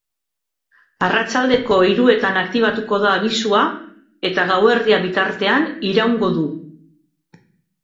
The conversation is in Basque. Arratsaldeko hiruetan aktibatuko da abisua, eta gauerdia bitartean iraungo du.